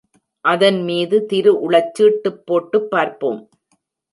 அதன் மீது திருஉளச்சீட்டுப் போட்டுப் பார்ப்போம்.